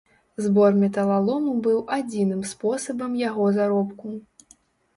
Збор металалому быў адзіным спосабам яго заробку.